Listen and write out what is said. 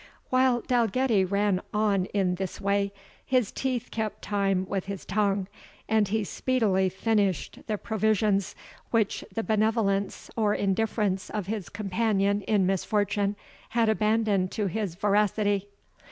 While Dalgetty ran on in this way, his teeth kept time with his tongue, and he speedily finished the provisions which the benevolence or indifference of his companion in misfortune had abandoned to his voracity.